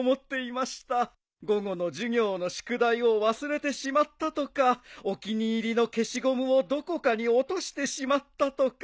午後の授業の宿題を忘れてしまったとかお気に入りの消しゴムをどこかに落としてしまったとか